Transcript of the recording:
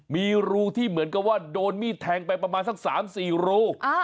มีรูที่เหมือนกับว่าโดนมีดแทงไปประมาณสัก๓๔รู